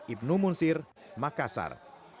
ibnu munsir makassar